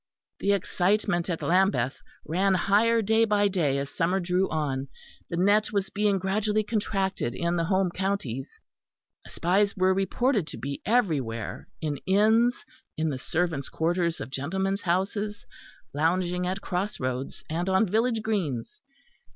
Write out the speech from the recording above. The excitement at Lambeth ran higher day by day as the summer drew on; the net was being gradually contracted in the home counties; spies were reported to be everywhere, in inns, in the servants' quarters of gentlemen's houses, lounging at cross roads and on village greens.